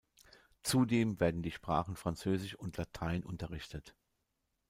Zudem werden die Sprachen Französisch und Latein unterrichtet.